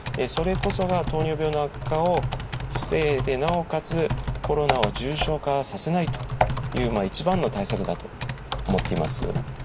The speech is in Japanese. それこそが糖尿病の悪化を防いでなおかつコロナを重症化させないという一番の対策だと思っています。